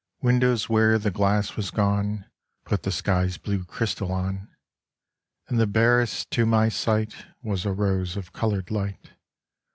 Windows where the glass was gone Put the sky's blue crystal on, And the barest to my sight Was a rose of colored light.